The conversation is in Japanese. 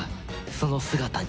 その姿に。